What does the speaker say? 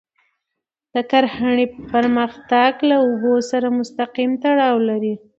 د کرهڼې پرمختګ له اوبو سره مستقیم تړاو لري.